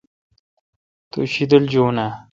تو شیدل جون آں؟